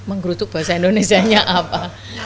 menggerutuk bahasa indonesia nya apa